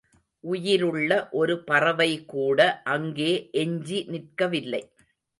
உயிருள்ள ஒரு பறவை கூட அங்கே எஞ்சி நிற்கவில்லை.